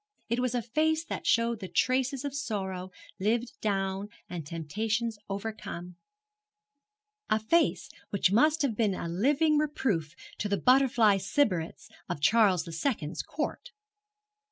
It was a face that showed the traces of sorrows lived down and temptations overcome a face which must have been a living reproof to the butterfly sybarites of Charles the Second's Court.